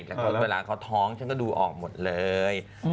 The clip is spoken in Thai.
แต่เวลาเขาท้องฉันก็ดูออกหมดเลย